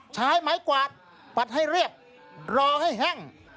ใช้ไม้กวาดปัดให้เรียบรอให้แห้ง